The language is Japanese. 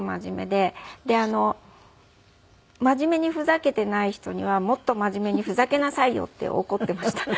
で真面目にふざけていない人には「もっと真面目にふざけなさいよ」って怒っていました。